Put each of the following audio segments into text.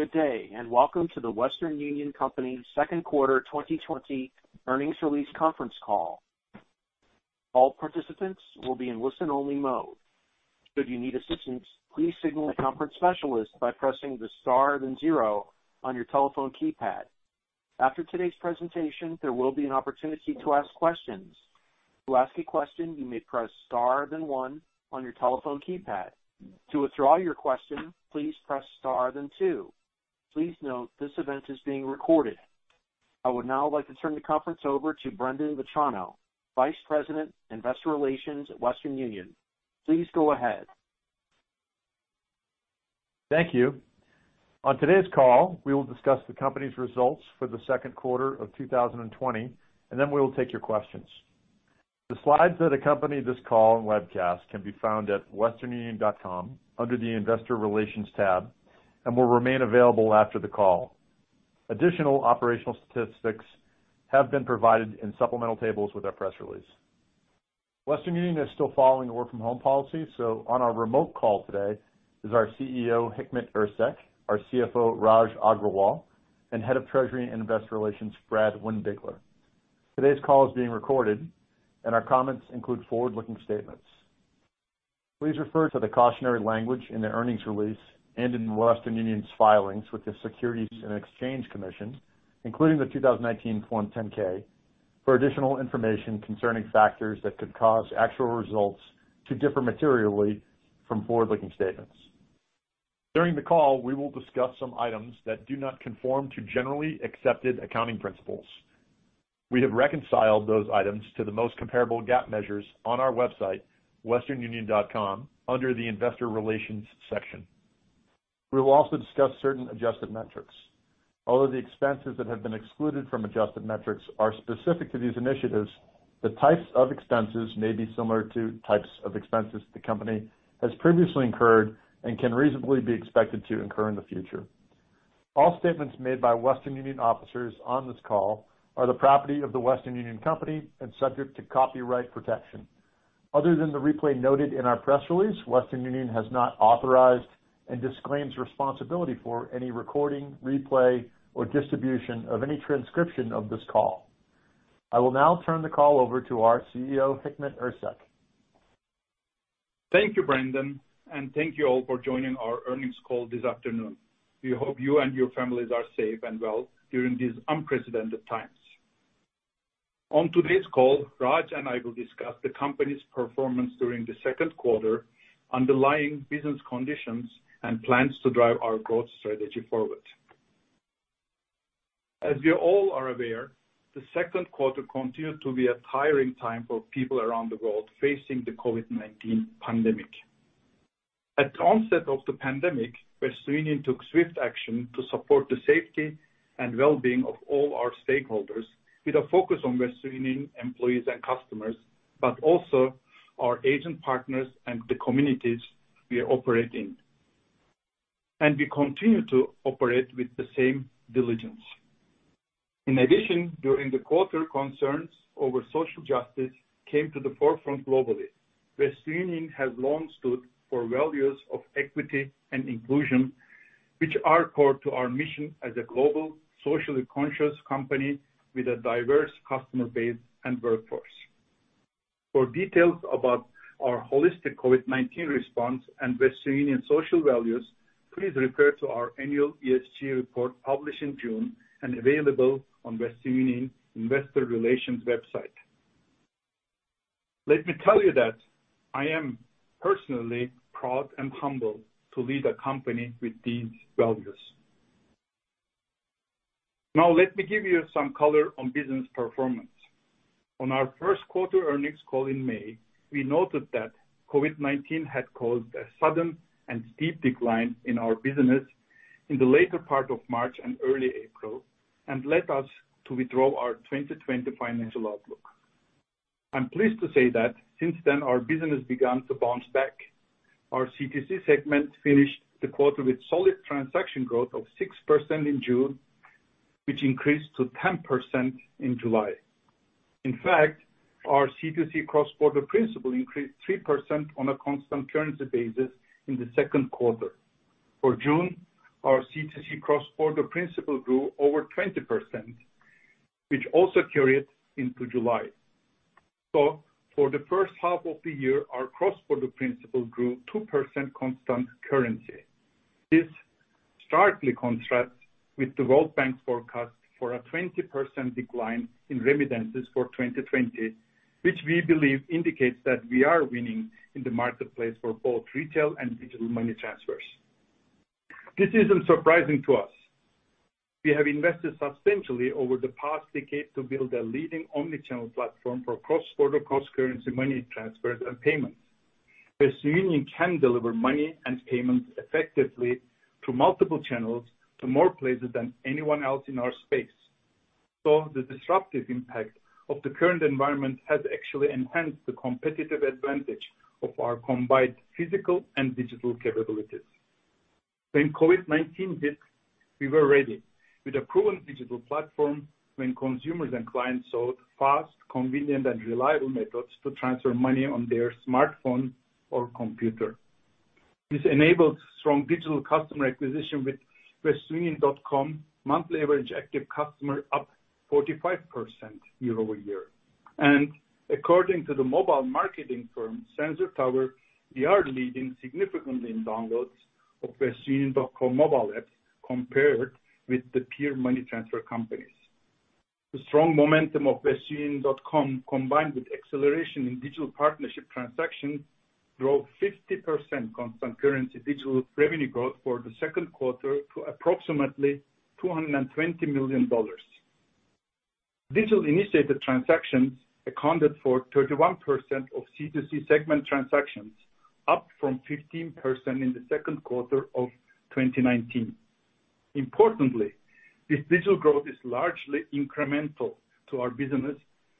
Good day, and welcome to The Western Union Company Second Quarter 2020 Earnings Release Conference Call. All participants will be in listen-only mode. Should you need assistance, please signal a conference specialist by pressing the star then zero on your telephone keypad. After today's presentation, there will be an opportunity to ask questions. To ask a question, you may press star then one on your telephone keypad. To withdraw your question, please press star then two. Please note, this event is being recorded. I would now like to turn the conference over to Brendan Metrano, Vice President, Investor Relations at Western Union. Please go ahead. Thank you. On today's call, we will discuss the company's results for the second quarter of 2020. Then we will take your questions. The slides that accompany this call and webcast can be found at westernunion.com under the Investor Relations tab and will remain available after the call. Additional operational statistics have been provided in supplemental tables with our press release. Western Union is still following the work-from-home policy. On our remote call today is our CEO, Hikmet Ersek, our CFO, Raj Agrawal, and Head of Treasury and Investor Relations, Brad Windbigler. Today's call is being recorded. Our comments include forward-looking statements. Please refer to the cautionary language in the earnings release and in Western Union's filings with the Securities and Exchange Commission, including the 2019 Form 10-K for additional information concerning factors that could cause actual results to differ materially from forward-looking statements. During the call, we will discuss some items that do not conform to generally accepted accounting principles. We have reconciled those items to the most comparable GAAP measures on our website, westernunion.com, under the Investor Relations section. We will also discuss certain adjusted metrics. Although the expenses that have been excluded from adjusted metrics are specific to these initiatives, the types of expenses may be similar to types of expenses the company has previously incurred and can reasonably be expected to incur in the future. All statements made by Western Union officers on this call are the property of The Western Union Company and subject to copyright protection. Other than the replay noted in our press release, Western Union has not authorized and disclaims responsibility for any recording, replay, or distribution of any transcription of this call. I will now turn the call over to our CEO, Hikmet Ersek. Thank you, Brendan. Thank you all for joining our earnings call this afternoon. We hope you and your families are safe and well during these unprecedented times. On today's call, Raj and I will discuss the company's performance during the second quarter, underlying business conditions, and plans to drive our growth strategy forward. As you all are aware, the second quarter continued to be a tiring time for people around the world facing the COVID-19 pandemic. At the onset of the pandemic, Western Union took swift action to support the safety and well-being of all our stakeholders, with a focus on Western Union employees and customers, but also our agent partners and the communities we operate in. We continue to operate with the same diligence. In addition, during the quarter, concerns over social justice came to the forefront globally. Western Union has long stood for values of equity and inclusion, which are core to our mission as a global, socially conscious company with a diverse customer base and workforce. For details about our holistic COVID-19 response and Western Union social values, please refer to our annual ESG report published in June and available on Western Union investor relations website. Let me tell you that I am personally proud and humbled to lead a company with these values. Now, let me give you some color on business performance. On our first quarter earnings call in May, we noted that COVID-19 had caused a sudden and steep decline in our business in the later part of March and early April and led us to withdraw our 2020 financial outlook. I'm pleased to say that since then, our business began to bounce back. Our C2C segment finished the quarter with solid transaction growth of 6% in June, which increased to 10% in July. In fact, our C2C cross-border principal increased 3% on a constant currency basis in the second quarter. For June, our C2C cross-border principal grew over 20%, which also carried into July. For the first half of the year, our cross-border principal grew 2% constant currency. This starkly contrasts with the World Bank forecast for a 20% decline in remittances for 2020, which we believe indicates that we are winning in the marketplace for both retail and digital money transfers. This isn't surprising to us. We have invested substantially over the past decade to build a leading omnichannel platform for cross-border cost-currency money transfers and payments. Western Union can deliver money and payments effectively through multiple channels to more places than anyone else in our space. The disruptive impact of the current environment has actually enhanced the competitive advantage of our combined physical and digital capabilities. When COVID-19 hit. We were ready with a proven digital platform when consumers and clients sought fast, convenient, and reliable methods to transfer money on their smartphone or computer. This enabled strong digital customer acquisition with westernunion.com monthly average active customer up 45% year-over-year. According to the mobile marketing firm Sensor Tower, we are leading significantly in downloads of westernunion.com mobile app compared with the peer money transfer companies. The strong momentum of westernunion.com, combined with acceleration in digital partnership transactions, drove 50% constant currency digital revenue growth for the second quarter to approximately $220 million. Digital-initiated transactions accounted for 31% of C2C segment transactions, up from 15% in the second quarter of 2019. Importantly, this digital growth is largely incremental to our business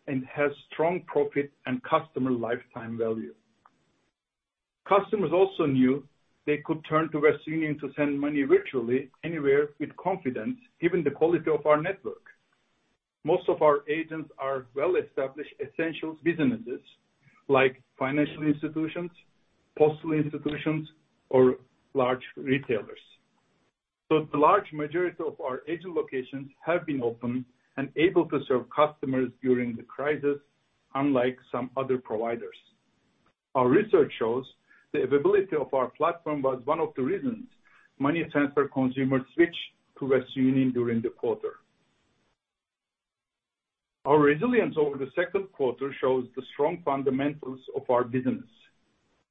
and has strong profit and customer lifetime value. Customers also knew they could turn to Western Union to send money virtually anywhere with confidence, given the quality of our network. Most of our agents are well-established essential businesses, like financial institutions, postal institutions, or large retailers. The large majority of our agent locations have been open and able to serve customers during the crisis, unlike some other providers. Our research shows the availability of our platform was one of the reasons money transfer consumers switched to Western Union during the quarter. Our resilience over the second quarter shows the strong fundamentals of our business,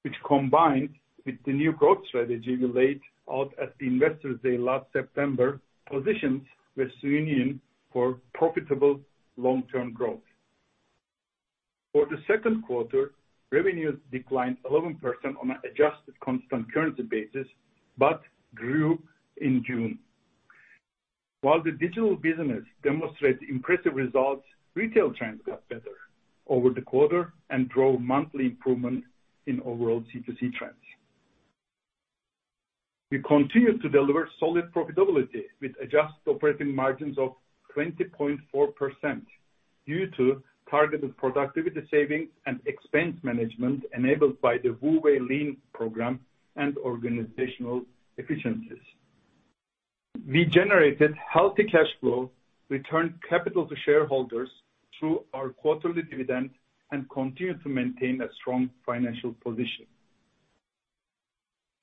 which combined with the new growth strategy we laid out at the Investors Day last September, positions Western Union for profitable long-term growth. For the second quarter, revenues declined 11% on an adjusted constant currency basis, but grew in June. While the digital business demonstrates impressive results, retail trends got better over the quarter and drove monthly improvement in overall C2C trends. We continued to deliver solid profitability with adjusted operating margins of 20.4% due to targeted productivity savings and expense management enabled by the WU Way Lean program and organizational efficiencies. We generated healthy cash flow, returned capital to shareholders through our quarterly dividend, and continued to maintain a strong financial position.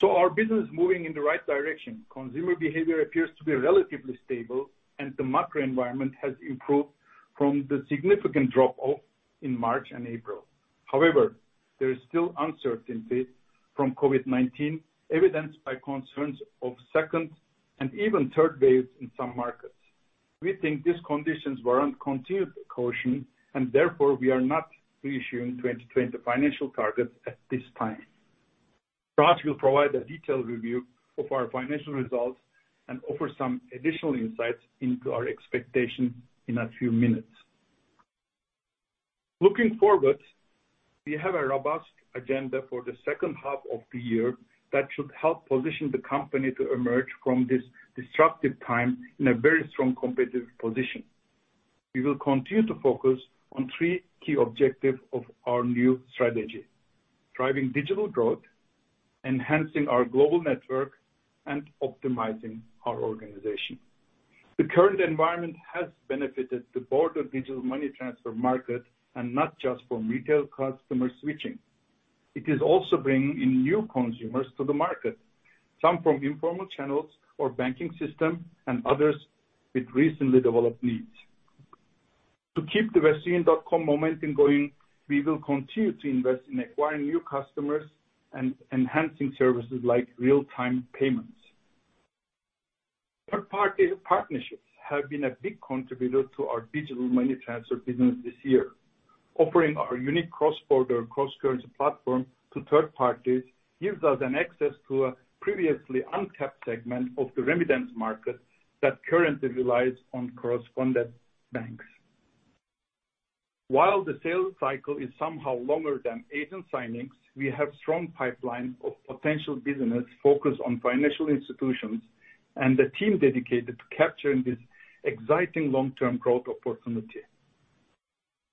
Our business is moving in the right direction. Consumer behavior appears to be relatively stable, and the macro environment has improved from the significant drop off in March and April. However, there is still uncertainty from COVID-19, evidenced by concerns of second and even third waves in some markets. We think these conditions warrant continued caution and therefore we are not issuing 2020 financial targets at this time. Raj will provide a detailed review of our financial results and offer some additional insights into our expectations in a few minutes. Looking forward, we have a robust agenda for the second half of the year that should help position the company to emerge from this disruptive time in a very strong competitive position. We will continue to focus on three key objectives of our new strategy, driving digital growth, enhancing our global network, and optimizing our organization. The current environment has benefited the Branded Digital money transfer market and not just from retail customer switching. It is also bringing in new consumers to the market, some from informal channels or banking system, and others with recently developed needs. To keep the westernunion.com momentum going, we will continue to invest in acquiring new customers and enhancing services like real-time payments. Third-party partnerships have been a big contributor to our digital money transfer business this year. Offering our unique cross-border, cross-currency platform to third parties gives us an access to a previously untapped segment of the remittance market that currently relies on correspondent banks. While the sales cycle is somewhat longer than agent signings, we have strong pipeline of potential business focused on financial institutions and the team dedicated to capturing this exciting long-term growth opportunity.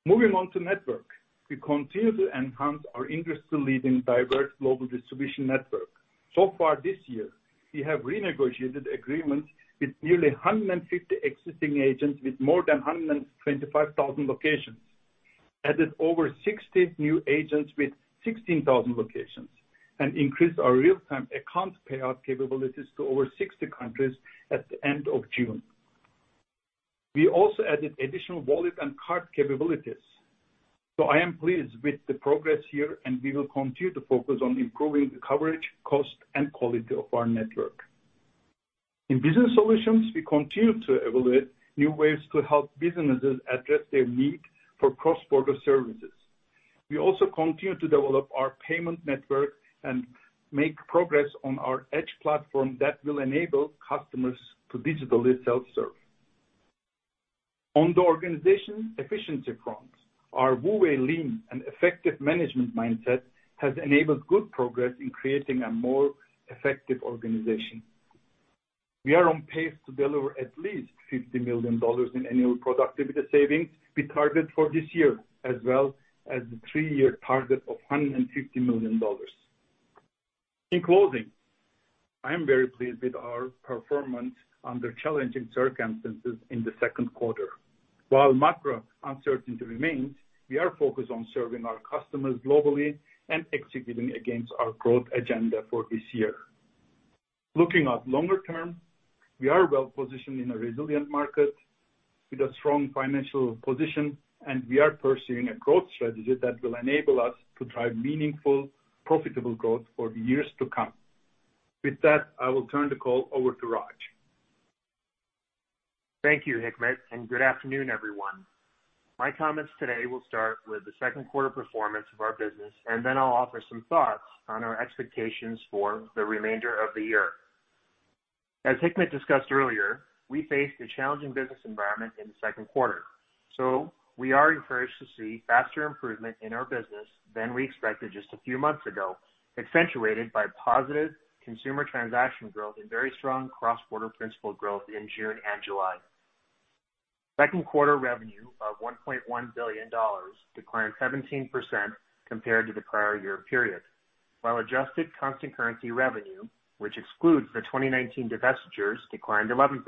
Moving on to network. We continue to enhance our industry-leading diverse global distribution network. Far this year, we have renegotiated agreements with nearly 150 existing agents with more than 125,000 locations, added over 60 new agents with 16,000 locations, and increased our real-time account payout capabilities to over 60 countries at the end of June. We also added additional wallet and card capabilities. I am pleased with the progress here, and we will continue to focus on improving the coverage, cost, and quality of our network. In business solutions, we continue to evaluate new ways to help businesses address their need for cross-border services. We also continue to develop our payment network and make progress on our Edge platform that will enable customers to digitally self-serve. On the organization efficiency front, our WU Way Lean and effective management mindset has enabled good progress in creating a more effective organization. We are on pace to deliver at least $50 million in annual productivity savings we targeted for this year, as well as the three-year target of $150 million. In closing, I am very pleased with our performance under challenging circumstances in the second quarter. While macro uncertainty remains, we are focused on serving our customers globally and executing against our growth agenda for this year. Looking at longer term, we are well-positioned in a resilient market with a strong financial position, and we are pursuing a growth strategy that will enable us to drive meaningful, profitable growth for years to come. With that, I will turn the call over to Raj. Thank you, Hikmet. Good afternoon, everyone. My comments today will start with the second quarter performance of our business. Then I'll offer some thoughts on our expectations for the remainder of the year. As Hikmet discussed earlier, we faced a challenging business environment in the second quarter. We are encouraged to see faster improvement in our business than we expected just a few months ago, accentuated by positive consumer transaction growth and very strong cross-border principal growth in June and July. Second quarter revenue of $1.1 billion declined 17% compared to the prior year period. While adjusted constant currency revenue, which excludes the 2019 divestitures, declined 11%.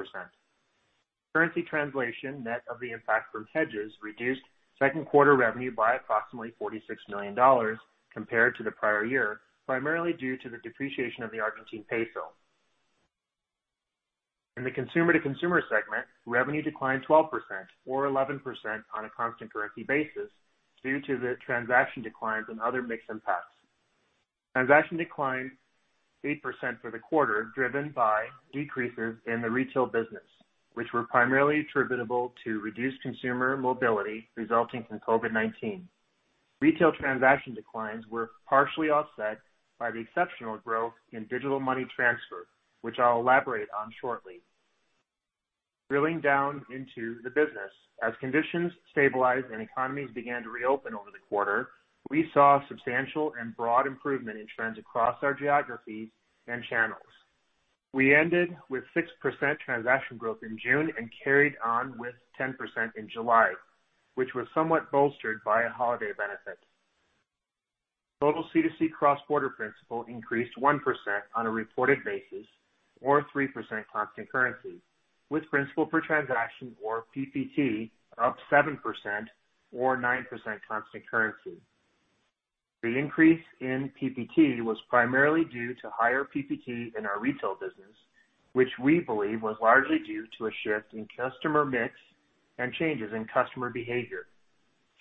Currency translation, net of the impact from hedges, reduced second quarter revenue by approximately $46 million compared to the prior year, primarily due to the depreciation of the Argentine peso. In the consumer-to-consumer segment, revenue declined 12%, or 11% on a constant currency basis, due to the transaction declines and other mix impacts. Transaction declined 8% for the quarter, driven by decreases in the retail business, which were primarily attributable to reduced consumer mobility resulting from COVID-19. Retail transaction declines were partially offset by the exceptional growth in digital money transfer, which I'll elaborate on shortly. Drilling down into the business. As conditions stabilized and economies began to reopen over the quarter, we saw substantial and broad improvement in trends across our geographies and channels. We ended with 6% transaction growth in June and carried on with 10% in July, which was somewhat bolstered by a holiday benefit. Total C2C cross-border principal increased 1% on a reported basis or 3% constant currency, with principal per transaction or PPT up 7% or 9% constant currency. The increase in PPT was primarily due to higher PPT in our retail business, which we believe was largely due to a shift in customer mix and changes in customer behavior.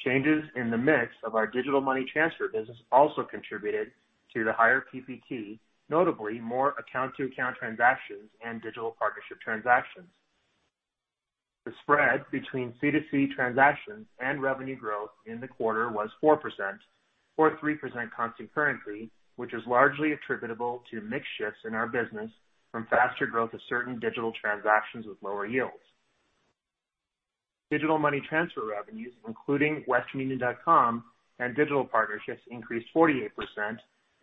Changes in the mix of our digital money transfer business also contributed to the higher PPT, notably more account-to-account transactions and digital partnership transactions. The spread between C2C transactions and revenue growth in the quarter was 4%, or 3% constant currency, which is largely attributable to mix shifts in our business from faster growth of certain digital transactions with lower yields. Digital money transfer revenues, including westernunion.com and digital partnerships, increased 48%,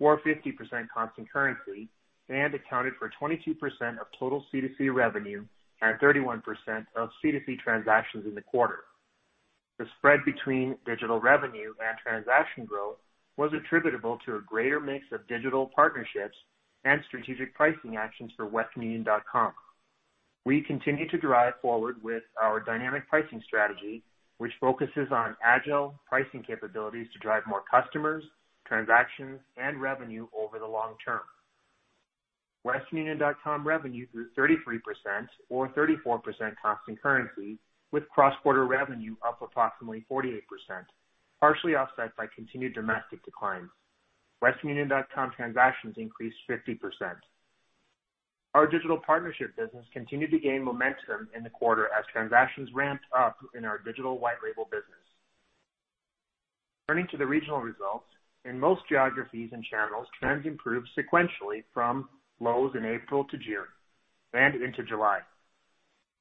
or 50% constant currency, and accounted for 22% of total C2C revenue and 31% of C2C transactions in the quarter. The spread between digital revenue and transaction growth was attributable to a greater mix of digital partnerships and strategic pricing actions for westernunion.com. We continue to drive forward with our dynamic pricing strategy, which focuses on agile pricing capabilities to drive more customers, transactions, and revenue over the long term. westernunion.com revenue grew 33%, or 34% constant currency, with cross-border revenue up approximately 48%, partially offset by continued domestic declines. westernunion.com transactions increased 50%. Our digital partnership business continued to gain momentum in the quarter as transactions ramped up in our digital white label business. Turning to the regional results. In most geographies and channels, trends improved sequentially from lows in April to June and into July.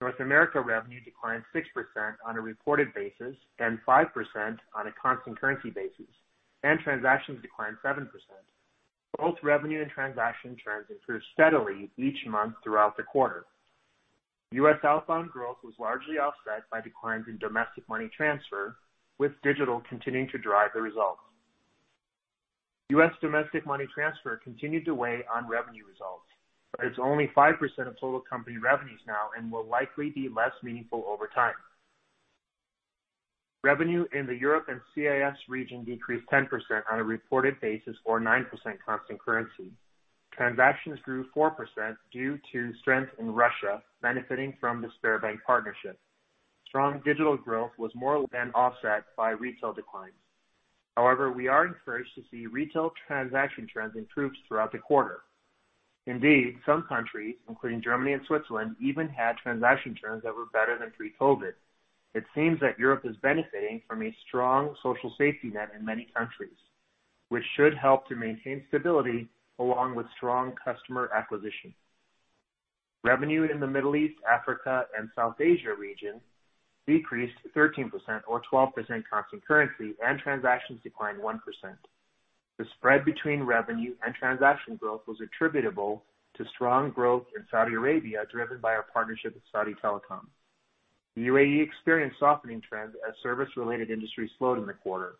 North America revenue declined 6% on a reported basis and 5% on a constant currency basis, and transactions declined 7%. Both revenue and transaction trends improved steadily each month throughout the quarter. U.S. outbound growth was largely offset by declines in domestic money transfer, with digital continuing to drive the results. U.S. domestic money transfer continued to weigh on revenue results. It's only 5% of total company revenues now and will likely be less meaningful over time. Revenue in the Europe and CIS region decreased 10% on a reported basis or 9% constant currency. Transactions grew 4% due to strength in Russia benefiting from the Sberbank partnership. Strong digital growth was more than offset by retail declines. However, we are encouraged to see retail transaction trends improve throughout the quarter. Indeed, some countries, including Germany and Switzerland, even had transaction trends that were better than pre-COVID. It seems that Europe is benefiting from a strong social safety net in many countries, which should help to maintain stability along with strong customer acquisition. Revenue in the Middle East, Africa, and South Asia region decreased 13% or 12% constant currency and transactions declined 1%. The spread between revenue and transaction growth was attributable to strong growth in Saudi Arabia, driven by our partnership with Saudi Telecom. The UAE experienced softening trends as service-related industries slowed in the quarter.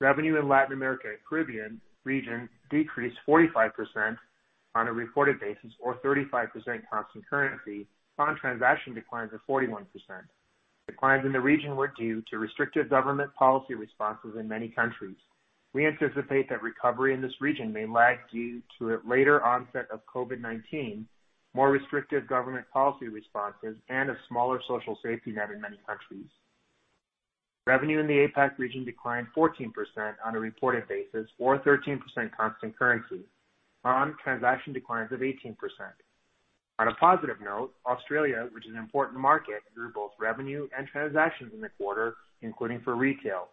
Revenue in Latin America and Caribbean region decreased 45% on a reported basis or 35% constant currency, on transaction declines of 41%. Declines in the region were due to restrictive government policy responses in many countries. We anticipate that recovery in this region may lag due to a later onset of COVID-19, more restrictive government policy responses, and a smaller social safety net in many countries. Revenue in the APAC region declined 14% on a reported basis or 13% constant currency on transaction declines of 18%. On a positive note, Australia, which is an important market, grew both revenue and transactions in the quarter, including for retail.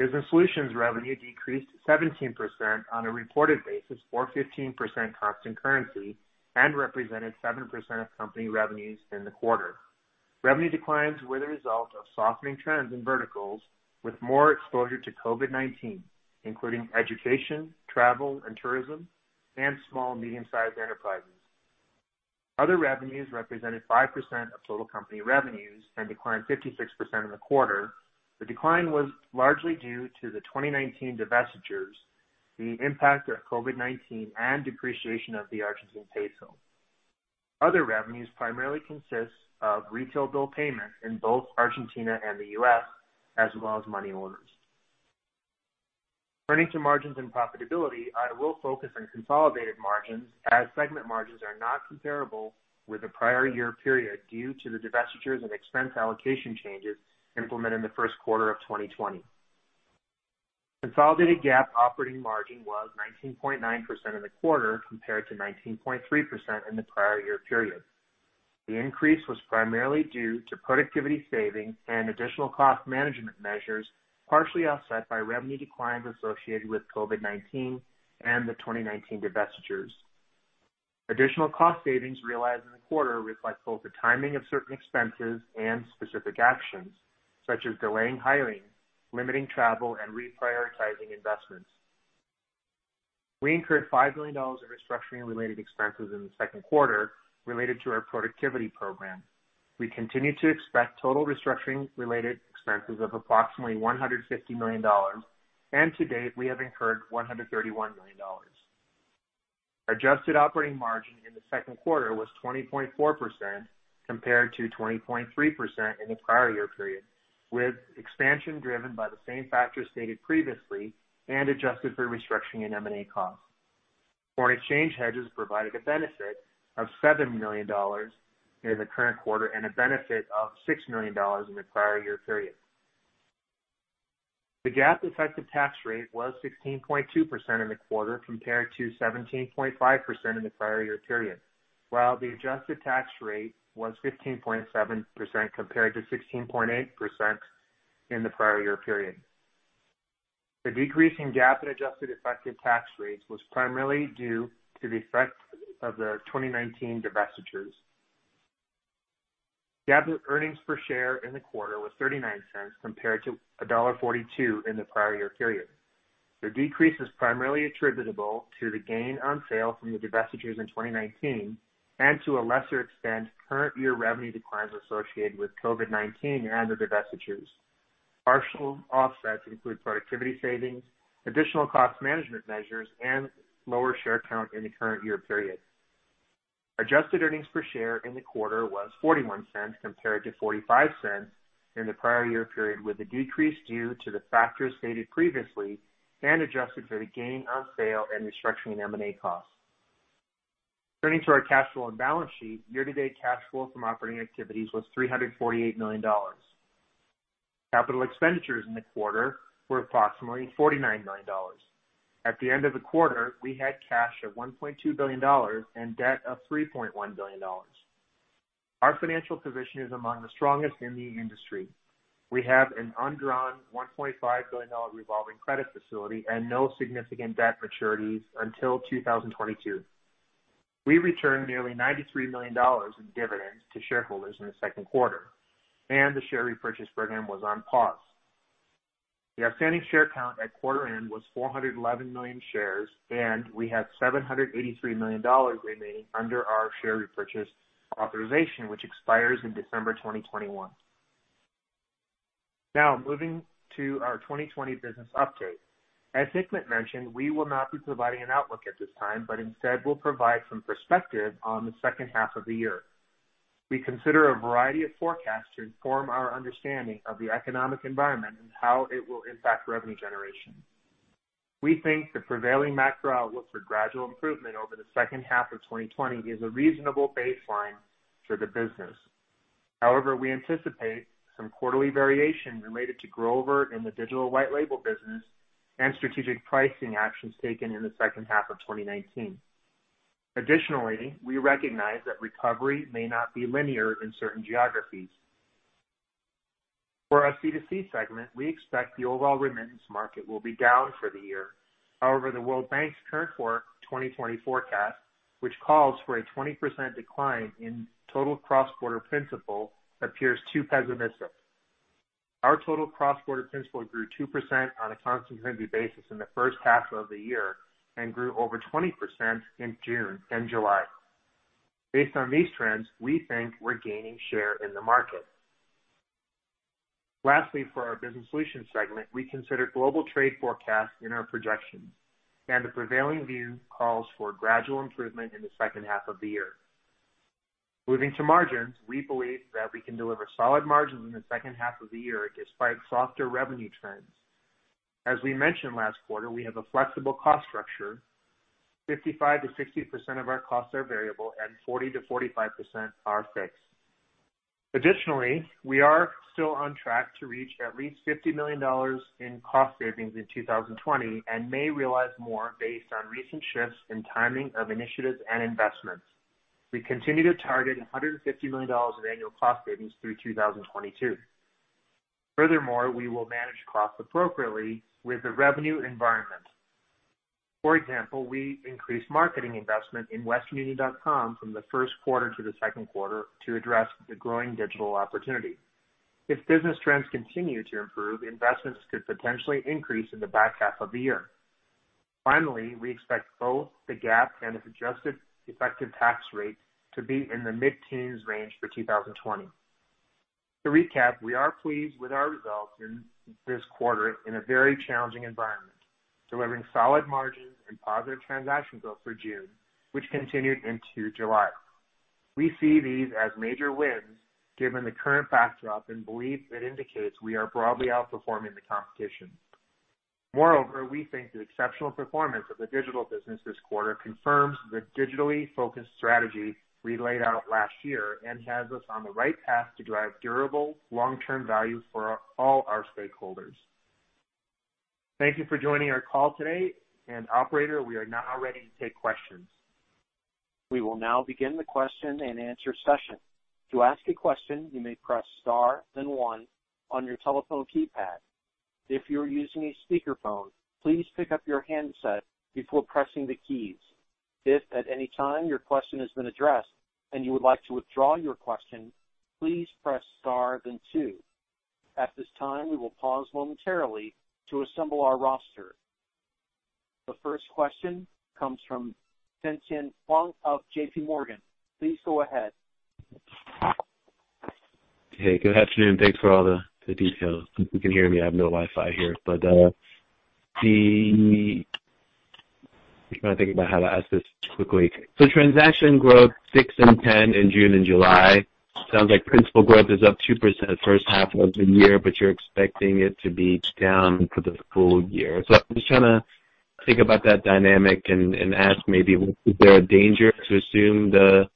Business solutions revenue decreased 17% on a reported basis or 15% constant currency and represented 7% of company revenues in the quarter. Revenue declines were the result of softening trends in verticals with more exposure to COVID-19, including education, travel and tourism, and small, medium-sized enterprises. Other revenues represented 5% of total company revenues and declined 56% in the quarter. The decline was largely due to the 2019 divestitures, the impact of COVID-19, and depreciation of the Argentine peso. Other revenues primarily consist of retail bill payments in both Argentina and the U.S., as well as money orders. Turning to margins and profitability, I will focus on consolidated margins as segment margins are not comparable with the prior year period due to the divestitures and expense allocation changes implemented in the first quarter of 2020. Consolidated GAAP operating margin was 19.9% in the quarter compared to 19.3% in the prior year period. The increase was primarily due to productivity savings and additional cost management measures, partially offset by revenue declines associated with COVID-19 and the 2019 divestitures. Additional cost savings realized in the quarter reflect both the timing of certain expenses and specific actions, such as delaying hiring, limiting travel, and reprioritizing investments. We incurred $5 million in restructuring related expenses in the second quarter related to our productivity program. We continue to expect total restructuring-related expenses of approximately $150 million, and to date, we have incurred $131 million. Adjusted operating margin in the second quarter was 20.4% compared to 20.3% in the prior year period, with expansion driven by the same factors stated previously and adjusted for restructuring and M&A costs. Foreign exchange hedges provided a benefit of $7 million in the current quarter and a benefit of $6 million in the prior year period. The GAAP effective tax rate was 16.2% in the quarter compared to 17.5% in the prior year period, while the adjusted tax rate was 15.7% compared to 16.8% in the prior year period. The decrease in GAAP and adjusted effective tax rates was primarily due to the effect of the 2019 divestitures. GAAP earnings per share in the quarter was $0.39 compared to $1.42 in the prior year period. The decrease is primarily attributable to the gain on sale from the divestitures in 2019 and to a lesser extent current year revenue declines associated with COVID-19 and other divestitures. Partial offsets include productivity savings, additional cost management measures, and lower share count in the current year period. Adjusted earnings per share in the quarter was $0.41 compared to $0.45 in the prior year period, with the decrease due to the factors stated previously and adjusted for the gain on sale and restructuring and M&A costs. Turning to our cash flow and balance sheet, year-to-date cash flow from operating activities was $348 million. Capital expenditures in the quarter were approximately $49 million. At the end of the quarter, we had cash of $1.2 billion and debt of $3.1 billion. Our financial position is among the strongest in the industry. We have an undrawn $1.5 billion revolving credit facility and no significant debt maturities until 2022. We returned nearly $93 million in dividends to shareholders in the second quarter, and the share repurchase program was on pause. The outstanding share count at quarter end was 411 million shares, and we have $783 million remaining under our share repurchase authorization, which expires in December 2021. Moving to our 2020 business update. As Hikmet mentioned, we will not be providing an outlook at this time, but instead we'll provide some perspective on the second half of the year. We consider a variety of forecasts to inform our understanding of the economic environment and how it will impact revenue generation. We think the prevailing macro outlook for gradual improvement over the second half of 2020 is a reasonable baseline for the business. However, we anticipate some quarterly variation related to grow-over in the digital white label business and strategic pricing actions taken in the second half of 2019. Additionally, we recognize that recovery may not be linear in certain geographies. For our C2C segment, we expect the overall remittance market will be down for the year. However, the World Bank's current for 2020 forecast, which calls for a 20% decline in total cross-border principal, appears too pessimistic. Our total cross-border principal grew 2% on a constant currency basis in the first half of the year and grew over 20% in June and July. Based on these trends, we think we're gaining share in the market. Lastly, for our business solutions segment, we consider global trade forecasts in our projections, and the prevailing view calls for gradual improvement in the second half of the year. Moving to margins, we believe that we can deliver solid margins in the second half of the year despite softer revenue trends. As we mentioned last quarter, we have a flexible cost structure. 55%-60% of our costs are variable and 40%-45% are fixed. Additionally, we are still on track to reach at least $50 million in cost savings in 2020 and may realize more based on recent shifts in timing of initiatives and investments. We continue to target $150 million in annual cost savings through 2022. Furthermore, we will manage costs appropriately with the revenue environment. For example, we increased marketing investment in westernunion.com from the first quarter to the second quarter to address the growing digital opportunity. If business trends continue to improve, investments could potentially increase in the back half of the year. Finally, we expect both the GAAP and its adjusted effective tax rate to be in the mid-teens range for 2020. To recap, we are pleased with our results in this quarter in a very challenging environment, delivering solid margins and positive transaction growth for June, which continued into July. We see these as major wins given the current backdrop and believe it indicates we are broadly outperforming the competition. Moreover, we think the exceptional performance of the digital business this quarter confirms the digitally-focused strategy we laid out last year and has us on the right path to drive durable, long-term value for all our stakeholders. Thank you for joining our call today, and operator, we are now ready to take questions. We will now begin the question-and-answer session. To ask a question, you may press star then one on your telephone keypad. If you're using a speakerphone, please pick up your handset before pressing the keys. If at any time your question has been addressed and you would like to withdraw your question, please press star then two. At this time, we will pause momentarily to assemble our roster. The first question comes from Tien-tsin Huang of JPMorgan. Please go ahead. Hey, good afternoon. Thanks for all the details. If you can hear me, I have no Wi-Fi here. I'm trying to think about how to ask this quickly. Transaction growth 6% and 10% in June and July sounds like principal growth is up 2% the first half of the year, but you're expecting it to be down for the full year. I'm just trying to think about that dynamic and ask maybe, is there a danger to assume the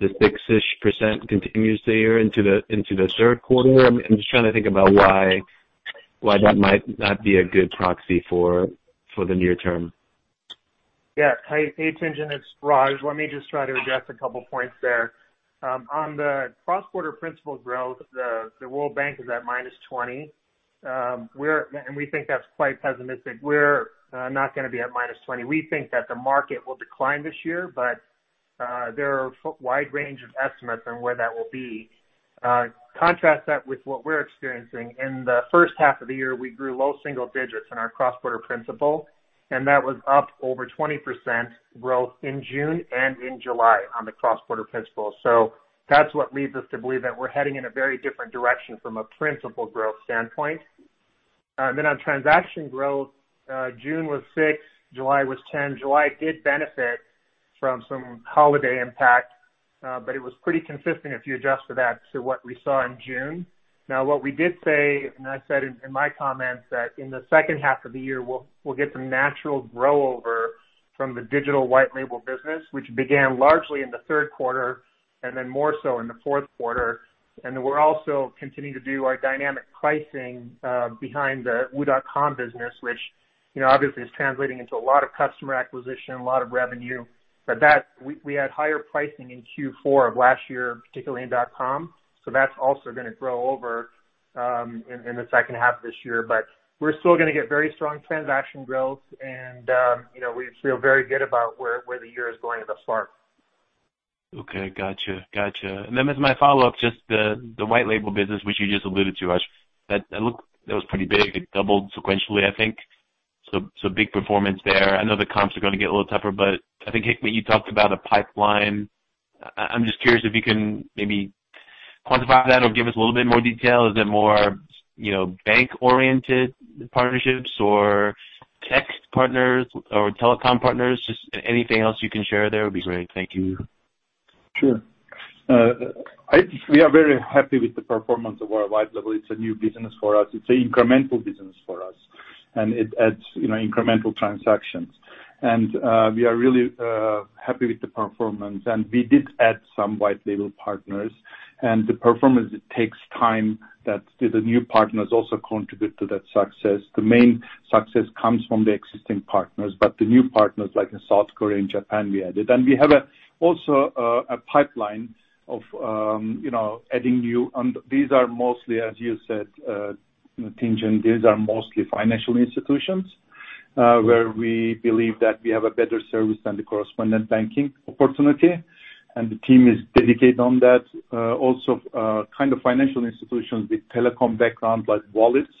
6-ish% continues there into the third quarter? I'm just trying to think about why that might not be a good proxy for the near term. Hey, Tien-tsin. It's Raj. Let me just try to address a couple of points there. On the cross-border principal growth, the World Bank is at -20%. We think that's quite pessimistic. We're not going to be at -20%. We think that the market will decline this year, but there are wide range of estimates on where that will be. Contrast that with what we're experiencing. In the first half of the year, we grew low single digits in our cross-border principal, and that was up over 20% growth in June and in July on the cross-border principal. That's what leads us to believe that we're heading in a very different direction from a principal growth standpoint. On transaction growth, June was 6%, July was 10%. July did benefit from some holiday impact but it was pretty consistent if you adjust for that to what we saw in June. What we did say, and I said in my comments, that in the second half of the year, we'll get some natural grow-over from the digital white label business, which began largely in the third quarter then more so in the fourth quarter. We're also continuing to do our dynamic pricing behind the wu.com business, which obviously is translating into a lot of customer acquisition, a lot of revenue. We had higher pricing in Q4 of last year, particularly in dot com, so that's also going to grow-over in the second half of this year. We're still going to get very strong transaction growth and we feel very good about where the year is going thus far. Okay. Got you. As my follow-up, just the white label business, which you just alluded to, Raj. That was pretty big. It doubled sequentially, I think. Big performance there. I know the comps are going to get a little tougher, but I think, Hikmet, you talked about a pipeline. I'm just curious if you can maybe quantify that or give us a little bit more detail. Is it more bank-oriented partnerships or tech partners or telecom partners? Just anything else you can share there would be great. Thank you. Sure. We are very happy with the performance of our white label. It's a new business for us. It's an incremental business for us. It adds incremental transactions. We are really happy with the performance. We did add some white label partners, and the performance takes time that the new partners also contribute to that success. The main success comes from the existing partners, but the new partners like in South Korea and Japan, we added. We have also a pipeline of adding new. These are mostly, as you said, Tien-tsin, these are mostly financial institutions, where we believe that we have a better service than the correspondent banking opportunity, and the team is dedicated on that. Also financial institutions with telecom background, like wallets,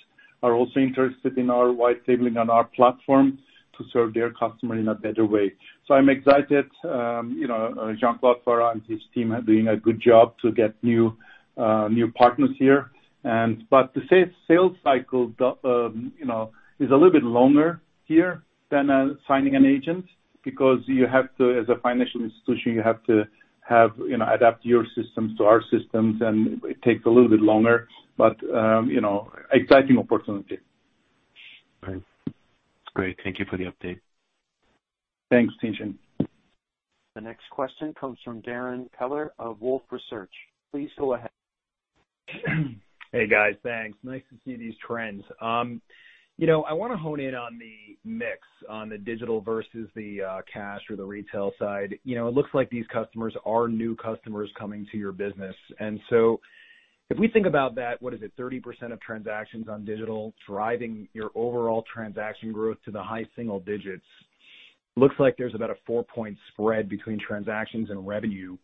are also interested in our white labeling on our platform to serve their customer in a better way. I'm excited. Jean Claude Farah and his team are doing a good job to get new partners here. The sales cycle is a little bit longer here than signing an agent, because as a financial institution, you have to adapt your systems to our systems, and it takes a little bit longer. Exciting opportunity. Right. Great. Thank you for the update. Thanks, Tien-tsin. The next question comes from Darrin Peller of Wolfe Research. Please go ahead. Hey, guys. Thanks. Nice to see these trends. I want to hone in on the mix on the digital versus the cash or the retail side. It looks like these customers are new customers coming to your business. If we think about that, what is it, 30% of transactions on digital driving your overall transaction growth to the high single digits. Looks like there's about a four-point spread between transactions and revenue.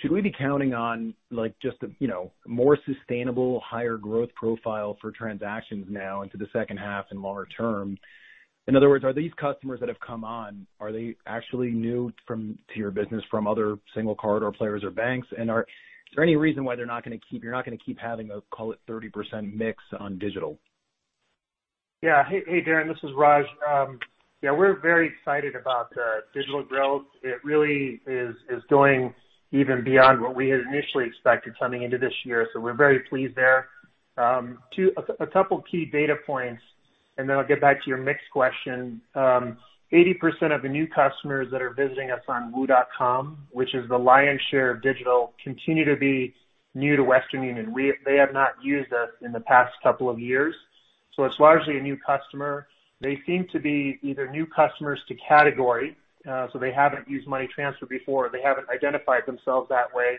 Should we be counting on just a more sustainable, higher growth profile for transactions now into the second half and longer term? In other words, are these customers that have come on, are they actually new to your business from other single card or players or banks? Is there any reason why you're not going to keep having a, call it 30% mix on digital? Yeah. Hey, Darrin, this is Raj. Yeah, we're very excited about digital growth. It really is going even beyond what we had initially expected coming into this year, so we're very pleased there. A couple key data points, and then I'll get back to your mix question. 80% of the new customers that are visiting us on wu.com, which is the lion's share of digital, continue to be new to Western Union. They have not used us in the past couple of years. It's largely a new customer. They seem to be either new customers to category, so they haven't used money transfer before, they haven't identified themselves that way,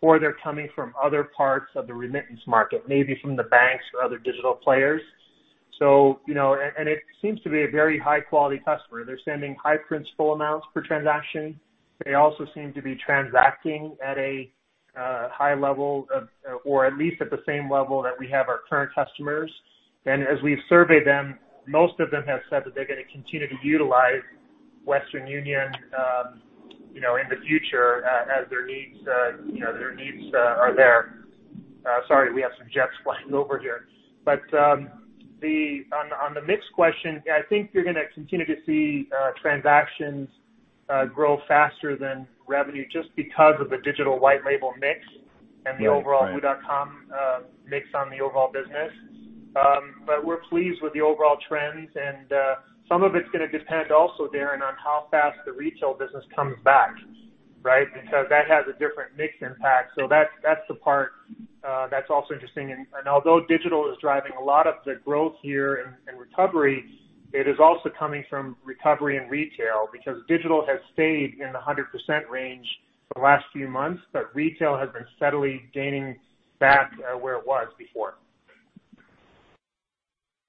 or they're coming from other parts of the remittance market, maybe from the banks or other digital players. It seems to be a very high-quality customer. They're sending high principal amounts per transaction. They also seem to be transacting at a high level of, or at least at the same level that we have our current customers. As we've surveyed them, most of them have said that they're going to continue to utilize Western Union in the future, as their needs are there. Sorry, we have some jets flying over here. On the mix question, I think you're going to continue to see transactions grow faster than revenue just because of the digital white label mix and the overall wu.com mix on the overall business. We're pleased with the overall trends and some of it's going to depend also, Darrin, on how fast the retail business comes back, right? That has a different mix impact. That's the part that's also interesting. Although digital is driving a lot of the growth here and recovery, it is also coming from recovery and retail because digital has stayed in the 100% range for the last few months. Retail has been steadily gaining back where it was before.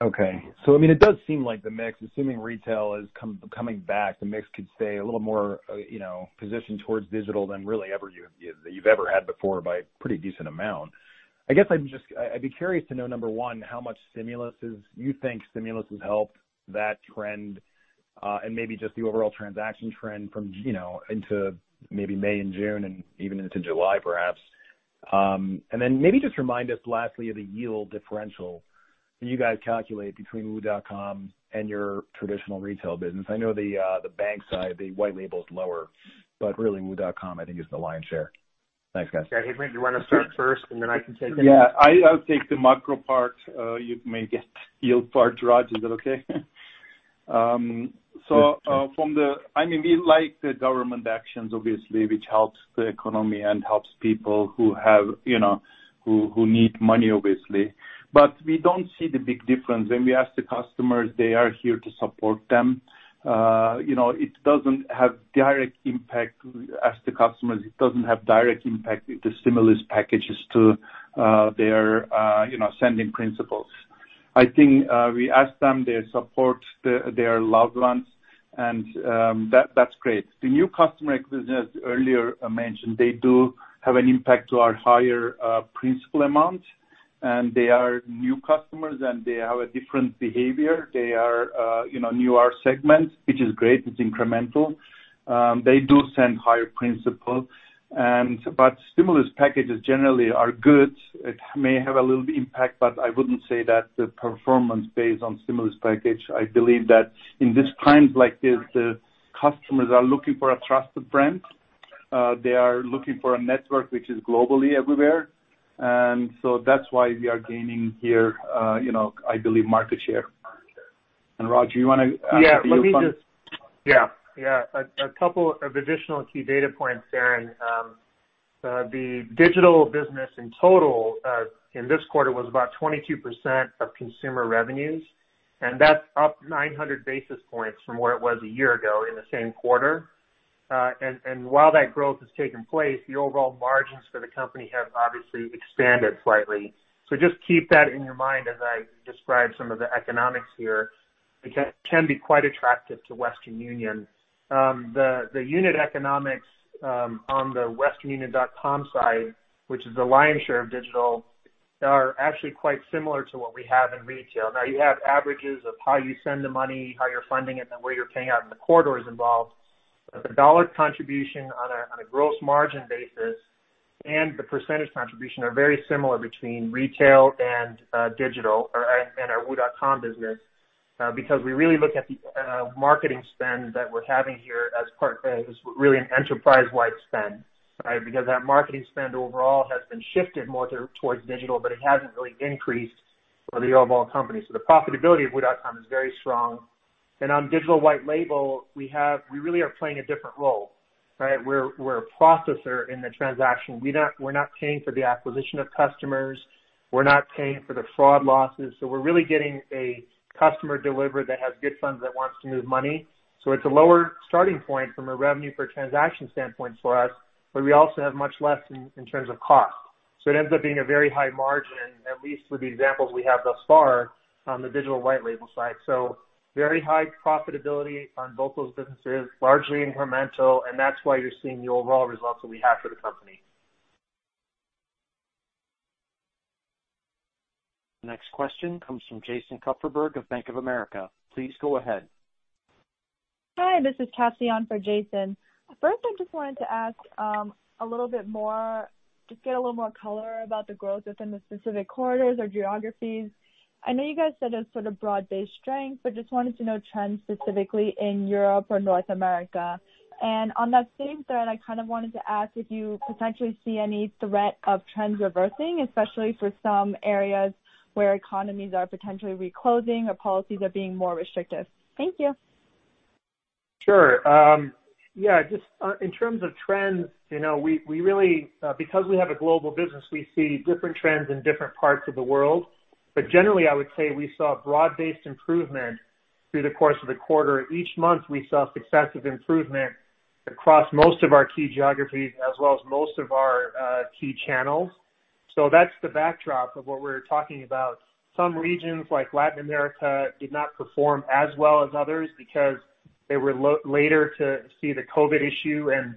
Okay. It does seem like the mix, assuming retail is coming back, the mix could stay a little more positioned towards digital than really you've ever had before by a pretty decent amount. I guess I'd be curious to know, number one, how much you think stimulus has helped that trend, and maybe just the overall transaction trend into maybe May and June and even into July, perhaps. Maybe just remind us lastly of the yield differential that you guys calculate between wu.com and your traditional retail business. I know the bank side, the white label is lower, but really wu.com I think is the lion's share. Thanks, guys. Yeah. Hikmet, do you want to start first and then I can take it? Yeah. I'll take the macro part. You may get yield part, Raj. Is that okay? Sure. We like the government actions, obviously, which helps the economy and helps people who need money, obviously. We don't see the big difference. When we ask the customers, they are here to support them. We ask the customers, it doesn't have direct impact with the stimulus packages to their sending principles. I think we ask them, they support their loved ones, and that's great. The new customer acquisition, as earlier mentioned, they do have an impact to our higher principal amount, and they are new customers, and they have a different behavior. They are newer segments, which is great. It's incremental. They do send higher principal. Stimulus packages generally are good. It may have a little impact, but I wouldn't say that the performance based on stimulus package. I believe that in this times like this, the customers are looking for a trusted brand. They are looking for a network which is globally everywhere. That's why we are gaining here I believe market share. Raj, you want to. Yeah. A couple of additional key data points there. The digital business in total in this quarter was about 22% of consumer revenues, that's up 900 basis points from where it was a year ago in the same quarter. While that growth has taken place, the overall margins for the company have obviously expanded slightly. Just keep that in your mind as I describe some of the economics here, which can be quite attractive to Western Union. The unit economics on the westernunion.com site, which is the lion's share of digital, are actually quite similar to what we have in retail. You have averages of how you send the money, how you're funding it, and where you're paying out and the corridors involved. The dollar contribution on a gross margin basis and the percentage contribution are very similar between retail and digital and our wu.com business because we really look at the marketing spend that we're having here as really an enterprise-wide spend. That marketing spend overall has been shifted more towards digital, but it hasn't really increased for the overall company. The profitability of wu.com is very strong. On digital white label, we really are playing a different role. We're a processor in the transaction. We're not paying for the acquisition of customers. We're not paying for the fraud losses. We're really getting a customer delivered that has good funds that wants to move money. It's a lower starting point from a revenue per transaction standpoint for us, but we also have much less in terms of cost. It ends up being a very high margin, at least with the examples we have thus far on the digital white label side. Very high profitability on both those businesses, largely incremental, and that's why you're seeing the overall results that we have for the company. Next question comes from Jason Kupferberg of Bank of America. Please go ahead. Hi, this is Cassie on for Jason. First, I just wanted to ask a little bit more, get a little more color about the growth within the specific corridors or geographies. I know you guys said a sort of broad-based strength, but just wanted to know trends specifically in Europe or North America. On that same thread, I kind of wanted to ask if you potentially see any threat of trends reversing, especially for some areas where economies are potentially reclosing or policies are being more restrictive. Thank you. Sure. Yeah, just in terms of trends because we have a global business, we see different trends in different parts of the world. Generally, I would say we saw broad-based improvement through the course of the quarter. Each month, we saw successive improvement across most of our key geographies as well as most of our key channels. That's the backdrop of what we're talking about. Some regions, like Latin America, did not perform as well as others because they were later to see the COVID-19 issue and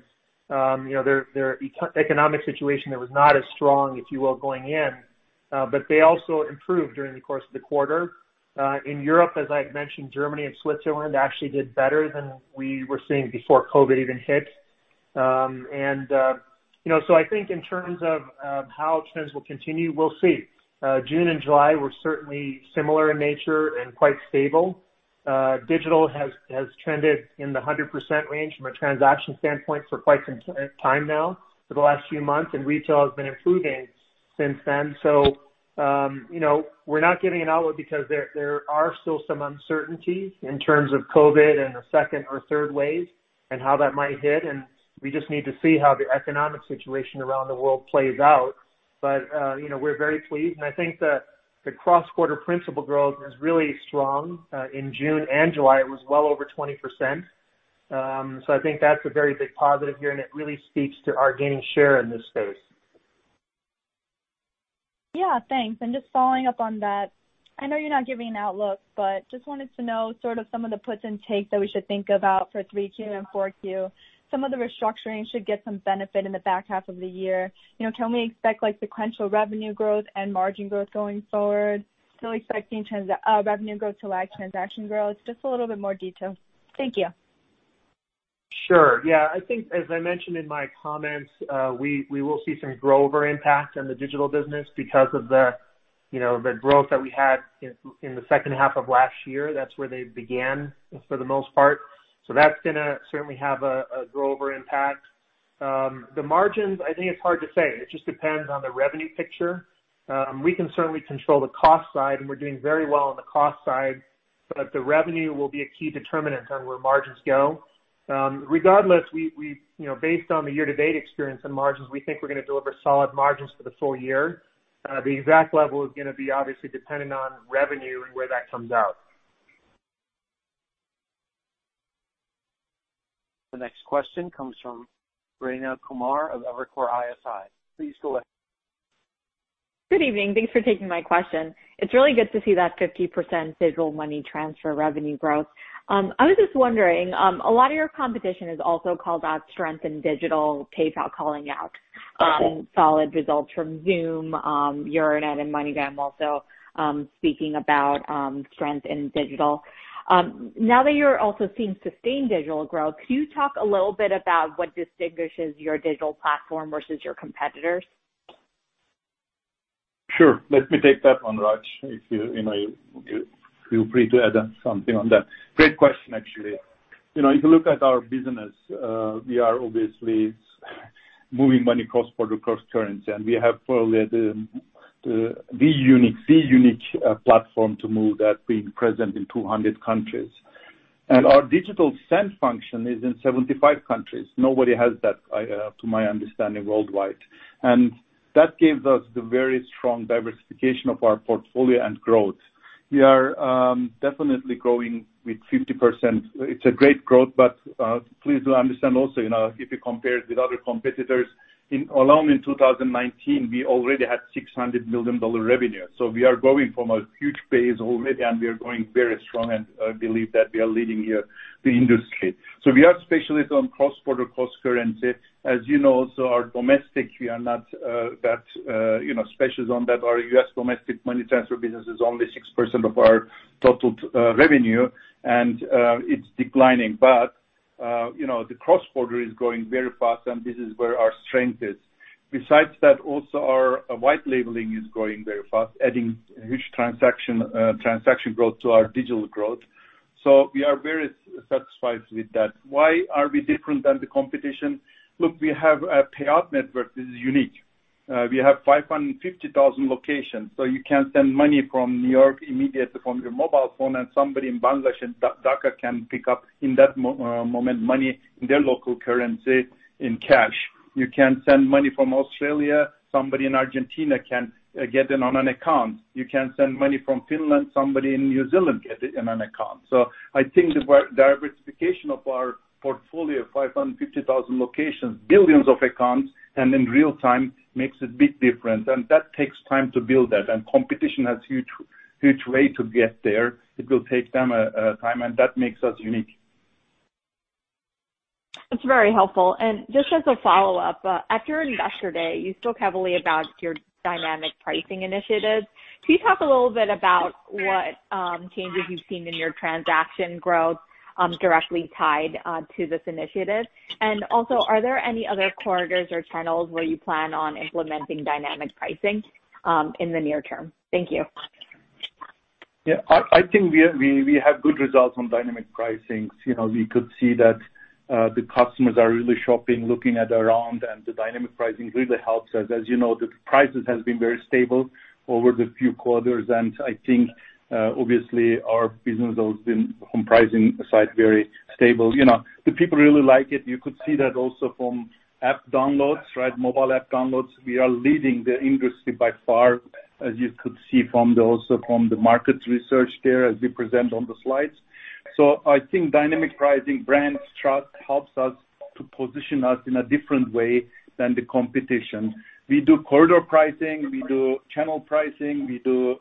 their economic situation there was not as strong, if you will, going in. They also improved during the course of the quarter. In Europe, as I had mentioned, Germany and Switzerland actually did better than we were seeing before COVID-19 even hit. I think in terms of how trends will continue, we'll see. June and July were certainly similar in nature and quite stable. Digital has trended in the 100% range from a transaction standpoint for quite some time now for the last few months, and retail has been improving since then. We're not giving an outlook because there are still some uncertainties in terms of COVID-19 and a second or third wave and how that might hit, and we just need to see how the economic situation around the world plays out. But we're very pleased, and I think the cross-border principal growth is really strong. In June and July, it was well over 20%. I think that's a very big positive here, and it really speaks to our gaining share in this space. Yeah, thanks. Just following up on that, I know you're not giving an outlook, but just wanted to know sort of some of the puts and takes that we should think about for 3Q and 4Q. Some of the restructuring should get some benefit in the back half of the year. Can we expect sequential revenue growth and margin growth going forward? Still expecting revenue growth to lag transaction growth? Just a little bit more detail. Thank you. Sure. Yeah. I think as I mentioned in my comments, we will see some grow-over impact on the digital business because of the growth that we had in the second half of last year. That's where they began for the most part. That's going to certainly have a grow-over impact. The margins, I think it's hard to say. It just depends on the revenue picture. We can certainly control the cost side, and we're doing very well on the cost side, but the revenue will be a key determinant on where margins go. Regardless, based on the year-to-date experience in margins, we think we're going to deliver solid margins for the full year. The exact level is going to be obviously dependent on revenue and where that comes out. The next question comes from Rayna Kumar of Evercore ISI. Please go ahead. Good evening. Thanks for taking my question. It's really good to see that 50% digital money transfer revenue growth. I was just wondering, a lot of your competition has also called out strength in digital. Paysafe calling out some solid results from Xoom, Euronet and MoneyGram also speaking about strength in digital. Now that you're also seeing sustained digital growth, could you talk a little bit about what distinguishes your digital platform versus your competitors? Sure. Let me take that one, Raj. Feel free to add something on that. Great question, actually. If you look at our business, we are obviously moving money cross-border, cross-currency, and we have probably the unique platform to move that, being present in 200 countries. Our digital send function is in 75 countries. Nobody has that, to my understanding, worldwide. That gives us the very strong diversification of our portfolio and growth. We are definitely growing with 50%. It's a great growth, please do understand also, if you compare it with other competitors, alone in 2019, we already had $600 million revenue. We are growing from a huge base already, and we are growing very strong, and I believe that we are leading here the industry. We are specialist on cross-border, cross-currency. As you know, so are domestic. We are not that specialist on that. Our U.S. domestic money transfer business is only 6% of our total revenue, and it's declining. The cross-border is growing very fast, and this is where our strength is. Besides that, also our white labeling is growing very fast, adding huge transaction growth to our digital growth. We are very satisfied with that. Why are we different than the competition? Look, we have a payout network. This is unique. We have 550,000 locations, so you can send money from New York immediately from your mobile phone, and somebody in Bangladesh, in Dhaka, can pick up in that moment money in their local currency in cash. You can send money from Australia, somebody in Argentina can get it on an account. You can send money from Finland, somebody in New Zealand get it in an account. I think the diversification of our portfolio, 550,000 locations, billions of accounts, and in real-time, makes a big difference. That takes time to build that. Competition has huge way to get there. It will take them time, and that makes us unique. That's very helpful. Just as a follow-up, at your Investor Day, you spoke heavily about your dynamic pricing initiatives. Can you talk a little bit about what changes you've seen in your transaction growth directly tied to this initiative? Also, are there any other corridors or channels where you plan on implementing dynamic pricing in the near term? Thank you. Yeah. I think we have good results on dynamic pricing. We could see that the customers are really shopping, looking at around, and the dynamic pricing really helps us. As you know, the prices have been very stable over the few quarters, and I think, obviously, our business has been, from pricing side, very stable. The people really like it. You could see that also from app downloads, mobile app downloads. We are leading the industry by far, as you could see from the market research there as we present on the slides. I think dynamic pricing, brand trust helps us to position us in a different way than the competition. We do corridor pricing, we do channel pricing, we do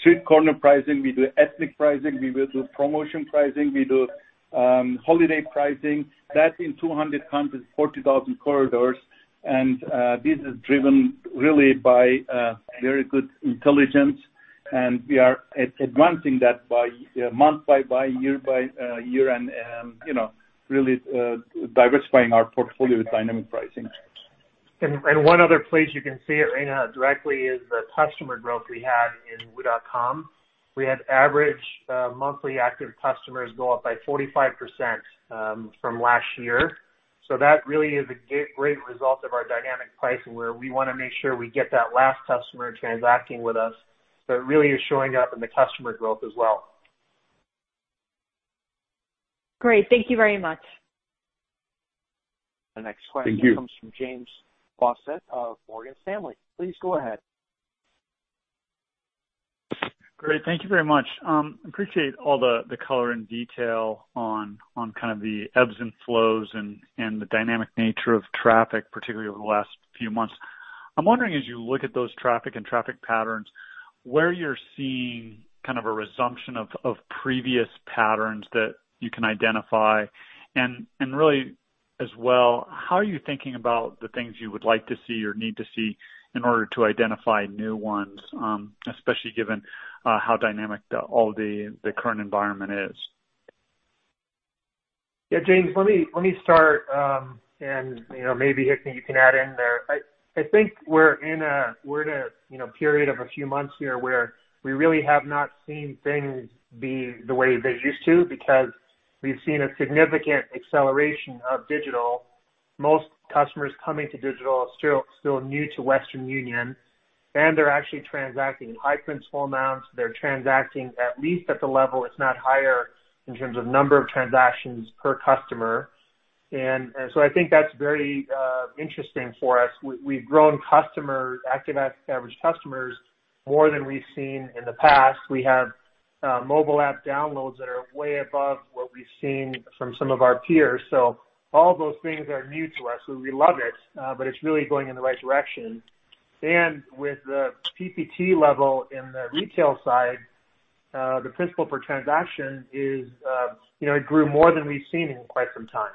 street corner pricing, we do ethnic pricing, we will do promotion pricing, we do holiday pricing. That's in 200 countries, 40,000 corridors. This is driven really by very good intelligence, and we are advancing that month by year and really diversifying our portfolio with dynamic pricing. One other place you can see it, Rayna, directly is the customer growth we had in wu.com. We had average monthly active customers go up by 45% from last year. That really is a great result of our dynamic pricing, where we want to make sure we get that last customer transacting with us. It really is showing up in the customer growth as well. Great. Thank you very much. Thank you. The next question comes from James Faucette of Morgan Stanley. Please go ahead. Great. Thank you very much. Appreciate all the color and detail on kind of the ebbs and flows and the dynamic nature of traffic, particularly over the last few months. I'm wondering, as you look at those traffic and traffic patterns, where you're seeing kind of a resumption of previous patterns that you can identify. Really as well, how are you thinking about the things you would like to see or need to see in order to identify new ones, especially given how dynamic all the current environment is? Yeah, James, let me start, and maybe, Hikmet, you can add in there. I think we're in a period of a few months here where we really have not seen things be the way they used to because we've seen a significant acceleration of digital. Most customers coming to digital are still new to Western Union, and they're actually transacting in high principal amounts. They're transacting at least at the level, if not higher, in terms of number of transactions per customer. I think that's very interesting for us. We've grown active average customers more than we've seen in the past. We have mobile app downloads that are way above what we've seen from some of our peers. All those things are new to us. We love it, but it's really going in the right direction. With the PPT level in the retail side, the principal per transaction grew more than we've seen in quite some time.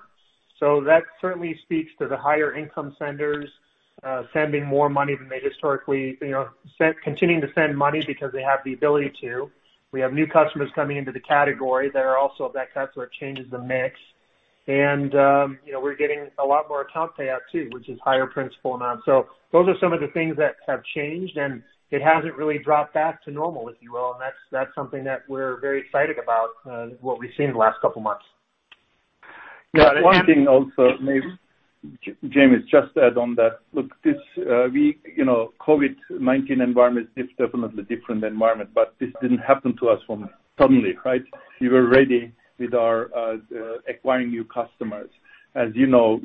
That certainly speaks to the higher income senders sending more money than they historically continuing to send money because they have the ability to. We have new customers coming into the category that are also of that type, so it changes the mix. We're getting a lot more account payout too, which is higher principal amount. Those are some of the things that have changed, and it hasn't really dropped back to normal, if you will. That's something that we're very excited about, what we've seen in the last couple of months. Yeah. One thing also, maybe James just add on that. Look, this week, COVID-19 environment is definitely different environment, this didn't happen to us suddenly, right? We were ready with our acquiring new customers. As you know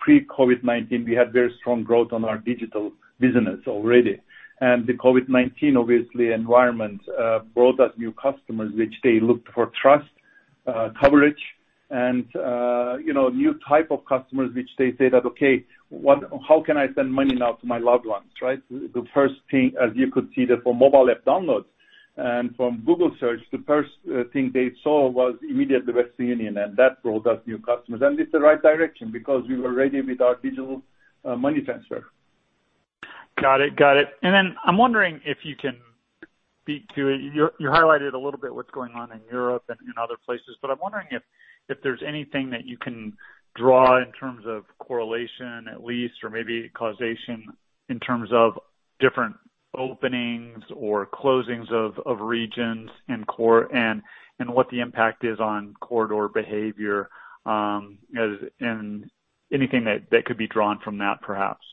pre-COVID-19, we had very strong growth on our digital business already. The COVID-19, obviously, environment, brought us new customers, which they looked for trust, coverage, and new type of customers, which they say that, "Okay, how can I send money now to my loved ones?" Right? The first thing, as you could see that from mobile app downloads and from Google search, the first thing they saw was immediately Western Union, and that brought us new customers. It's the right direction because we were ready with our digital money transfer. Got it. I'm wondering if you can speak to it. You highlighted a little bit what's going on in Europe and in other places, but I'm wondering if there's anything that you can draw in terms of correlation at least, or maybe causation in terms of different openings or closings of regions and what the impact is on corridor behavior, and anything that could be drawn from that perhaps.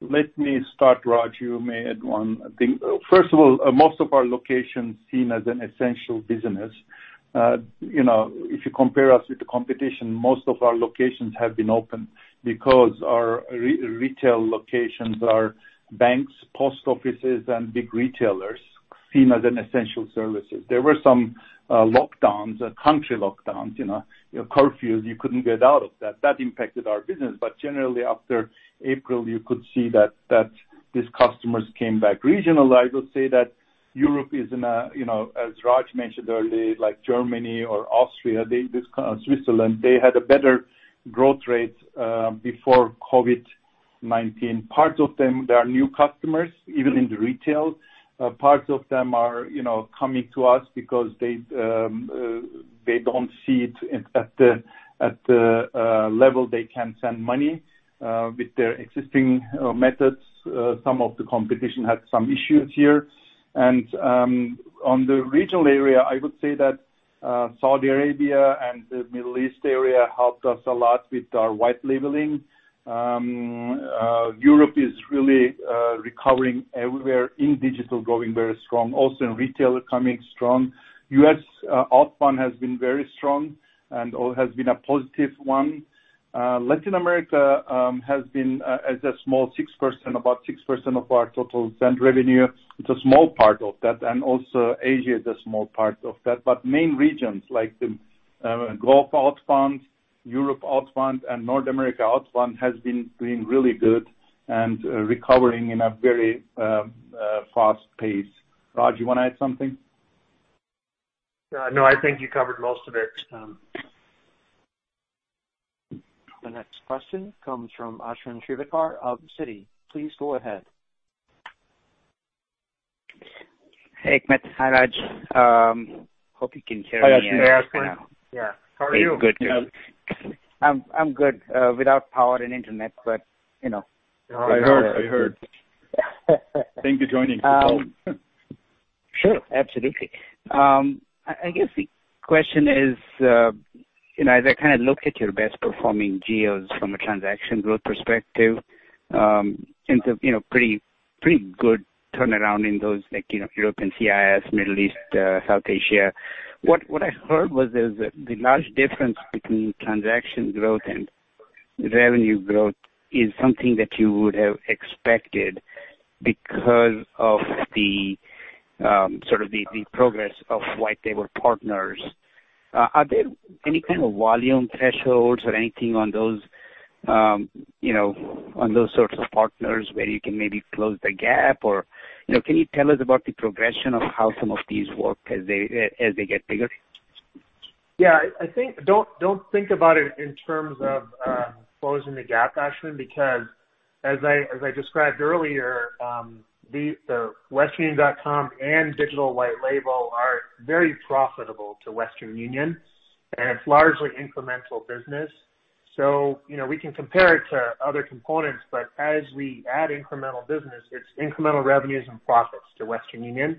Let me start, Raj. You may add one thing. First of all, most of our locations seen as an essential business. If you compare us with the competition, most of our locations have been open because our retail locations are banks, post offices, and big retailers seen as an essential services. There were some lockdowns, country lockdowns, curfews you couldn't get out of that. That impacted our business. Generally, after April, you could see that these customers came back. Regional, I would say that Europe is in a, as Raj mentioned earlier, like Germany or Austria this kind, Switzerland, they had a better growth rate before COVID-19. Part of them, they are new customers, even in the retail. Part of them are coming to us because they don't see it at the level they can send money with their existing methods. Some of the competition had some issues here. On the regional area, I would say that Saudi Arabia and the Middle East area helped us a lot with our white labeling. Europe is really recovering everywhere in digital growing very strong. Also in retail coming strong. U.S. outbound has been very strong and all has been a positive one. Latin America has been as a small, about 6% of our total send revenue. It's a small part of that. Also Asia is a small part of that. Main regions like the Gulf outbound, Europe outbound, and North America outbound has been doing really good and recovering in a very fast pace. Raj, you want to add something? No, I think you covered most of it. The next question comes from Ashwin Shirvaikar of Citi. Please go ahead. Hey, Hikmet. Hi, Raj. Hope you can hear me. Hi, Ashwin. Yeah. How are you? Good. I'm good. Without power and internet, but you know. I heard. Thank you for joining. Sure. Absolutely. I guess the question is, as I look at your best performing geos from a transaction growth perspective, in terms of pretty good turnaround in those like European, CIS, Middle East, South Asia. What I heard was there's the large difference between transaction growth and revenue growth is something that you would have expected because of the progress of white-label partners. Are there any kind of volume thresholds or anything on those sorts of partners where you can maybe close the gap? Can you tell us about the progression of how some of these work as they get bigger? Yeah. Don't think about it in terms of closing the gap, Ashwin, because as I described earlier, westernunion.com and digital white label are very profitable to Western Union, and it's largely incremental business. We can compare it to other components, but as we add incremental business, it's incremental revenues and profits to Western Union.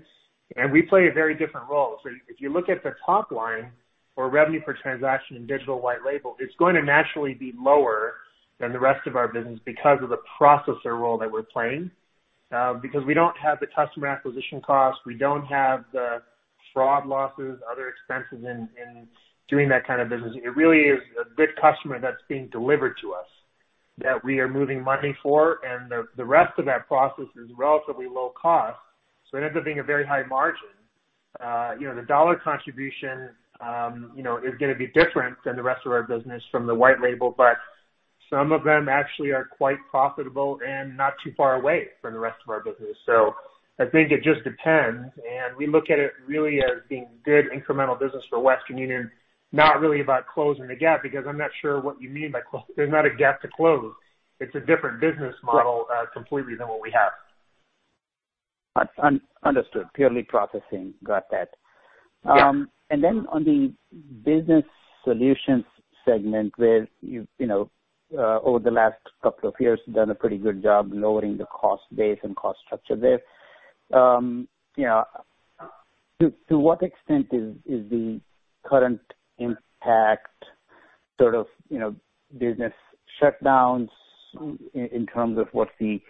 We play a very different role. If you look at the top line or revenue per transaction in digital white label, it's going to naturally be lower than the rest of our business because of the processor role that we're playing. Because we don't have the customer acquisition costs. We don't have the fraud losses, other expenses in doing that kind of business. It really is a good customer that's being delivered to us that we are moving money for, and the rest of that process is relatively low cost. It ends up being a very high margin. The dollar contribution is going to be different than the rest of our business from the white label, but some of them actually are quite profitable and not too far away from the rest of our business. I think it just depends, and we look at it really as being good incremental business for Western Union, not really about closing the gap, because I'm not sure what you mean by close. There's not a gap to close. It's a different business model completely than what we have. Understood. Purely processing. Got that. Yeah. On the business solutions segment where you've, over the last couple of years, done a pretty good job lowering the cost base and cost structure there. To what extent is the current impact, business shutdowns in terms of what's the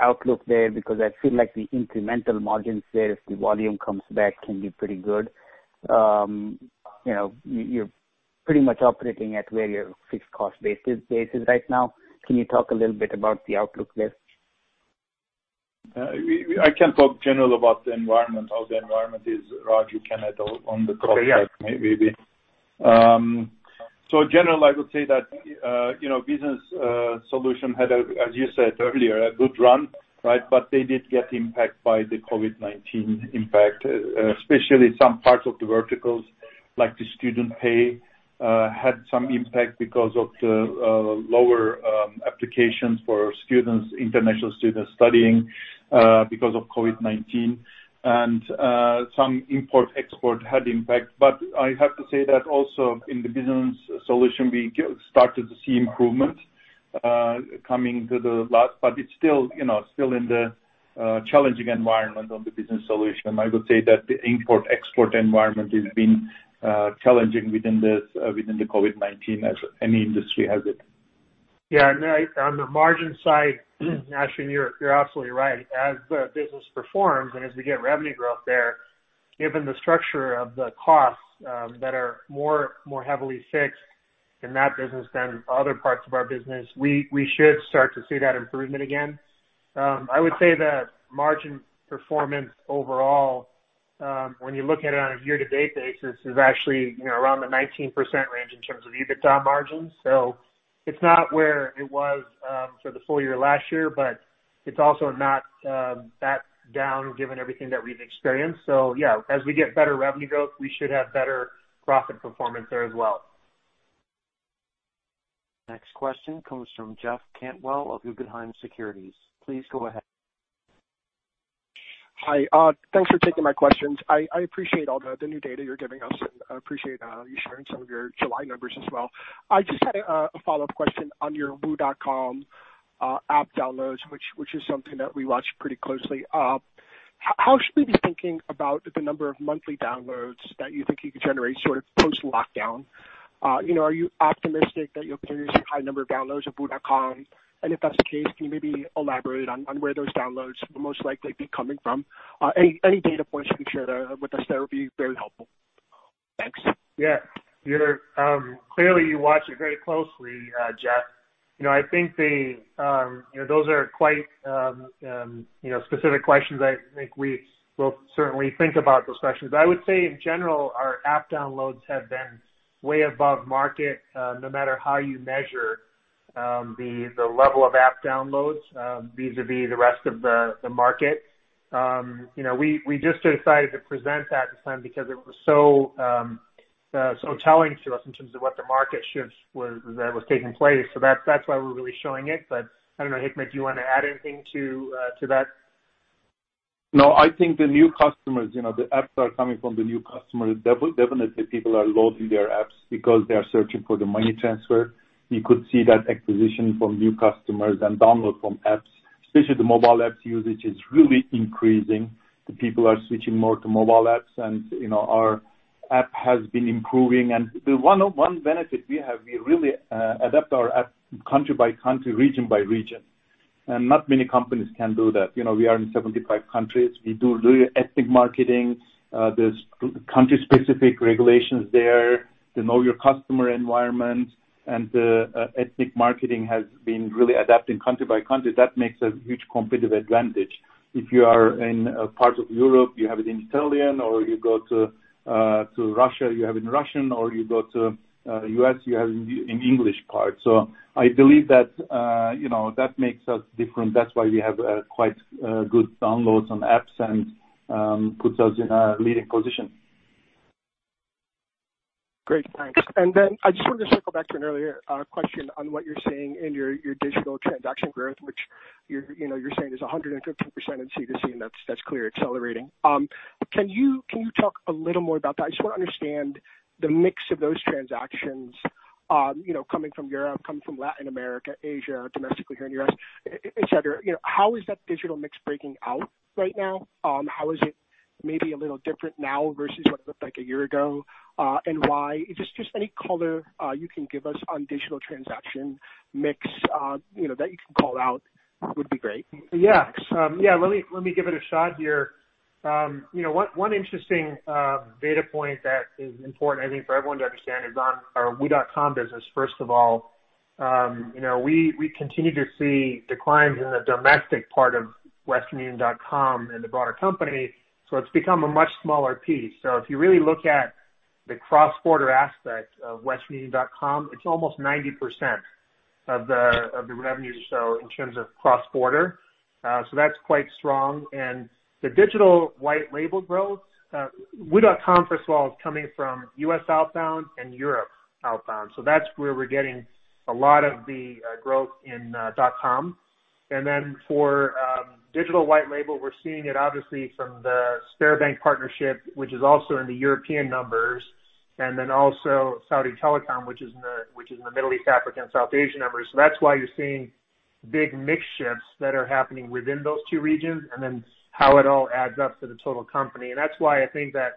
outlook there? Because I feel like the incremental margins there, if the volume comes back, can be pretty good. You're pretty much operating at where your fixed cost base is right now. Can you talk a little bit about the outlook there? I can talk general about the environment, how the environment is. Raj, you can add on the cost side maybe. General, I would say that business solution had, as you said earlier, a good run. They did get impacted by the COVID-19 impact, especially some parts of the verticals, like the student pay had some impact because of the lower applications for international students studying because of COVID-19. Some import/export had impact. I have to say that also in the business solution, we started to see improvement coming to the light, but it's still in the challenging environment on the business solution. I would say that the import/export environment has been challenging within the COVID-19, as any industry has it. Yeah. On the margin side, Ashwin, you're absolutely right. As the business performs and as we get revenue growth there, given the structure of the costs that are more heavily fixed in that business than other parts of our business, we should start to see that improvement again. I would say that margin performance overall, when you look at it on a year-to-date basis, is actually around the 19% range in terms of EBITDA margins. It's not where it was for the full year last year, but it's also not that down given everything that we've experienced. Yeah, as we get better revenue growth, we should have better profit performance there as well. Next question comes from Jeff Cantwell of Guggenheim Securities. Please go ahead. Hi. Thanks for taking my questions. I appreciate all the new data you're giving us, and I appreciate you sharing some of your July numbers as well. I just had a follow-up question on your wu.com app downloads, which is something that we watch pretty closely. How should we be thinking about the number of monthly downloads that you think you can generate post-lockdown? Are you optimistic that you'll continue to see high number of downloads of wu.com? If that's the case, can you maybe elaborate on where those downloads will most likely be coming from? Any data points you can share with us there would be very helpful. Thanks. Yeah. Clearly, you watch it very closely, Jeff. Those are quite specific questions. I think we will certainly think about those questions. I would say in general, our app downloads have been way above market, no matter how you measure the level of app downloads vis-a-vis the rest of the market. We just decided to present that this time because it was so telling to us in terms of what the market shifts that was taking place. That's why we're really showing it. I don't know, Hikmet, do you want to add anything to that? No, I think the new customers, the apps are coming from the new customers. Definitely people are loading their apps because they are searching for the money transfer. You could see that acquisition from new customers and download from apps, especially the mobile apps usage is really increasing. People are switching more to mobile apps, and our app has been improving. The one benefit we have, we really adapt our app country by country, region by region. Not many companies can do that. We are in 75 countries. We do ethnic marketing. There's country-specific regulations there. The know-your-customer environment and the ethnic marketing has been really adapting country by country. That makes a huge competitive advantage. If you are in a part of Europe, you have it in Italian, or you go to Russia, you have it in Russian, or you go to U.S., you have in English part. I believe that makes us different. That's why we have quite good downloads on apps and puts us in a leading position. Great, thanks. Then I just wanted to circle back to an earlier question on what you're seeing in your digital transaction growth, which you're saying is 115% in C2C, and that's clearly accelerating. Can you talk a little more about that? I just want to understand the mix of those transactions coming from Europe, coming from Latin America, Asia, domestically here in the U.S., etc. How is that digital mix breaking out right now? How is it maybe a little different now versus what it looked like a year ago? Why? Just any color you can give us on digital transaction mix that you can call out would be great. Yeah. Let me give it a shot here. One interesting data point that is important, I think, for everyone to understand is on our wu.com business, first of all. We continue to see declines in the domestic part of westernunion.com and the broader company. It's become a much smaller piece. If you really look at the cross-border aspect of westernunion.com, it's almost 90% of the revenue in terms of cross-border. That's quite strong. The digital white label growth, wu.com, first of all, is coming from U.S. outbound and Europe outbound. That's where we're getting a lot of the growth in .com. Then for digital white label, we're seeing it obviously from the Sberbank partnership, which is also in the European numbers, and then also Saudi Telecom, which is in the Middle East, Africa, and South Asia numbers. That's why you're seeing big mix shifts that are happening within those two regions, and then how it all adds up to the total company. That's why I think that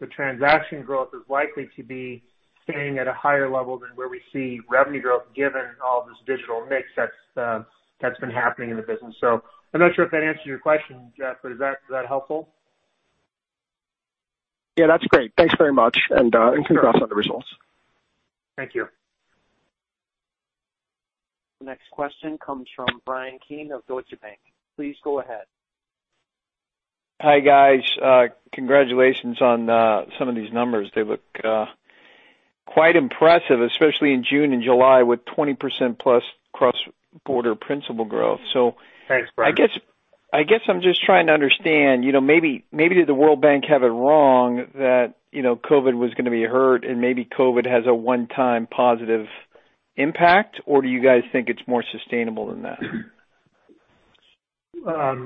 the transaction growth is likely to be staying at a higher level than where we see revenue growth, given all this digital mix that's been happening in the business. I'm not sure if that answers your question, Jeff, but is that helpful? Yeah, that's great. Thanks very much. Sure. Congrats on the results. Thank you. The next question comes from Bryan Keane of Deutsche Bank. Please go ahead. Hi, guys. Congratulations on some of these numbers. They look quite impressive, especially in June and July with 20%+ cross-border principal growth. Thanks, Bryan I guess I'm just trying to understand, maybe did the World Bank have it wrong that COVID was going to be a hurt and maybe COVID has a one-time positive impact? Or do you guys think it's more sustainable than that?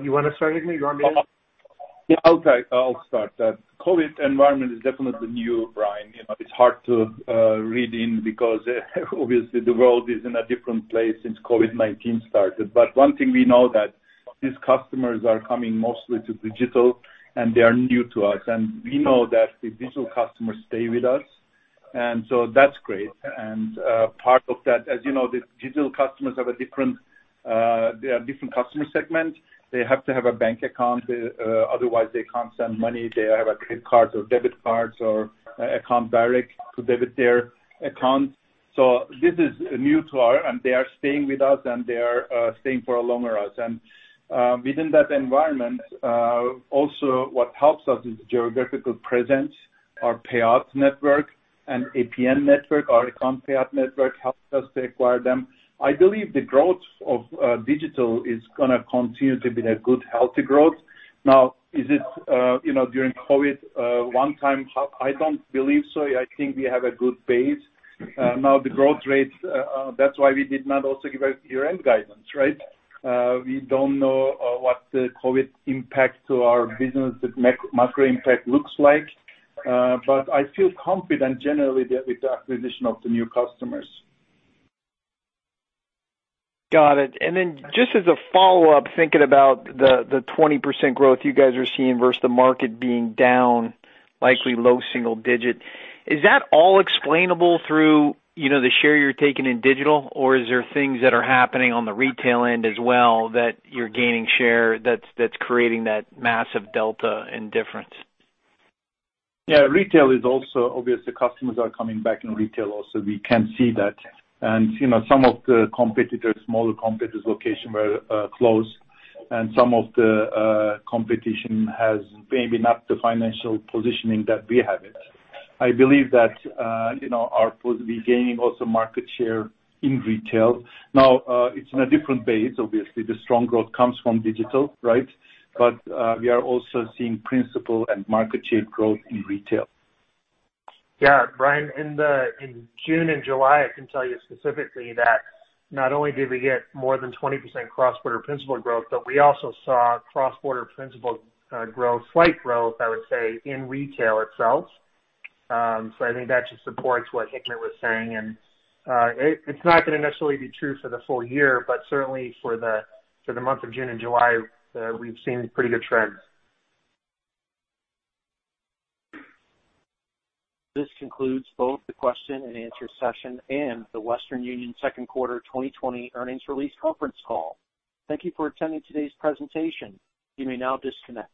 You want to start, Hikmet, you want me? Yeah. I'll start. COVID environment is definitely new, Bryan. It's hard to read in because obviously the world is in a different place since COVID-19 started. One thing we know that these customers are coming mostly to digital, and they are new to us, and we know that the digital customers stay with us, and so that's great. Part of that, as you know, the digital customers they are different customer segment. They have to have a bank account, otherwise they can't send money. They have a credit card or debit cards or account direct to debit their accounts. This is new to us, and they are staying with us, and they are staying for a long with us. Within that environment, also what helps us is geographical presence, our payout network and APN network, our account payout network helps us to acquire them. I believe the growth of digital is going to continue to be a good, healthy growth. Now, is it during COVID? I don't believe so. I think we have a good base. Now the growth rates, that's why we did not also give out year-end guidance, right? We don't know what the COVID impact to our business, the macro impact looks like. I feel confident generally with the acquisition of the new customers. Got it. Just as a follow-up, thinking about the 20% growth you guys are seeing versus the market being down likely low single digit. Is that all explainable through the share you're taking in digital, or is there things that are happening on the retail end as well that you're gaining share that's creating that massive delta and difference? Yeah. Retail is also obviously, customers are coming back in retail also. We can see that. Some of the competitors, smaller competitors location were closed, and some of the competition has maybe not the financial positioning that we have it. I believe that we're gaining also market share in retail. Now, it's in a different base obviously. The strong growth comes from digital, right? We are also seeing principal and market share growth in retail. Yeah. Bryan, in June and July, I can tell you specifically that not only did we get more than 20% cross-border principal growth, but we also saw cross-border principal growth, slight growth, I would say, in retail itself. I think that just supports what Hikmet was saying. It's not going to necessarily be true for the full year, but certainly for the month of June and July, we've seen pretty good trends. This concludes both the question and answer session and The Western Union Second Quarter 2020 Earnings Release Conference Call. Thank you for attending today's presentation. You may now disconnect.